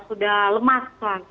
sudah lemas pak